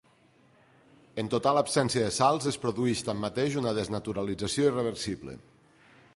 En total absència de sals es produeix tanmateix una desnaturalització irreversible.